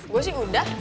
gue sih udah